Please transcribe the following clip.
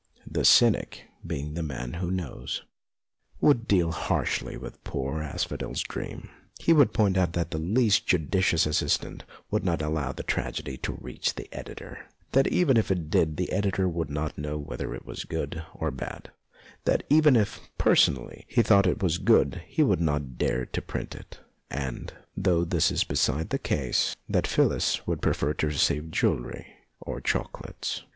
The cynic, being the man who knows, would deal harshly with poor Aspho del's dream. He would point out that the least judicious assistant would not allow the tragedy to reach the editor, that even if it did the editor would not know whether it was good or bad, that even if, personally, he thought it was good he would not dare to print it, and, though this is beside the case, that Phyllis would prefer to receive jewellery or chocolates.